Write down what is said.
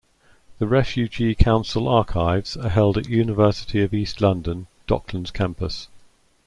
The Refugee Council Archives are held at University of East London, Docklands Campus.